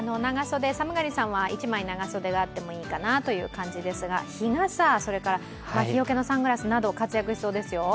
寒がりさんは１枚、長袖があってもいい感じですが、日傘、それから日よけのサングラスなど活躍しそうですよ。